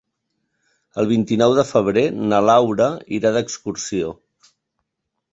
El vint-i-nou de febrer na Laura irà d'excursió.